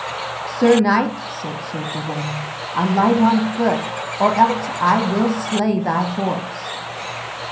Sir knight, said Sir Gawaine, alight on foot, or else I will slay thy horse.